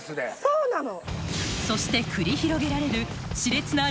そうなの。